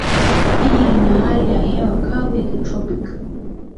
Jiji lina hali ya hewa kavu ya kitropiki.